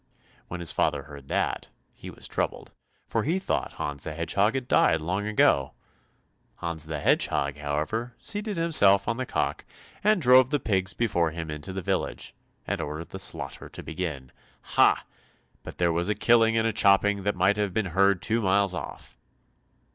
When his father heard that, he was troubled, for he thought Hans the Hedgehog had died long ago. Hans the Hedgehog, however, seated himself on the cock, and drove the pigs before him into the village, and ordered the slaughter to begin. Ha! but there was a killing and a chopping that might have been heard two miles off!